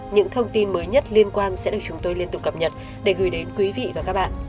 những thông tin mới nhất liên quan sẽ được chúng tôi liên tục cập nhật để gửi đến quý vị và các bạn